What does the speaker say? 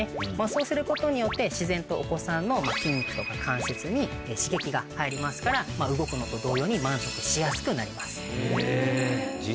そうすることによって自然とお子さんの。が入りますから動くのと同様に満足しやすくなります。